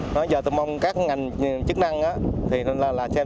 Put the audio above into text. nói giờ tôi mong các ngành chức năng xem xét làm sao